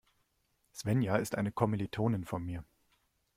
Svenja ist eine Kommilitonin von mir.